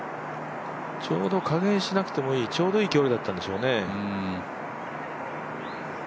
加減しなくてもいい、ちょうどいい距離だったんでしょうね。